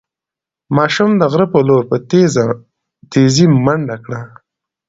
ماشوم د غره په لور په تېزۍ منډه کړه.